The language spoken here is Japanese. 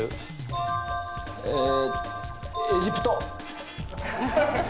エジプト。